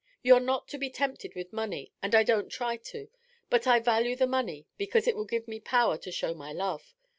You're not to be tempted with money, and I don't try to; but I value the money because it will give me power to show my love.